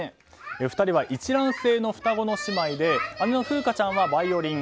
２人は一卵性の双子の姉妹で姉の風香ちゃんはバイオリン。